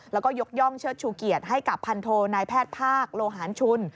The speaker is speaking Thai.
แล้วก็ยกย่องเชิดชูเกียรติให้กับพันโทนายแพทย์ภาคโลหารชุน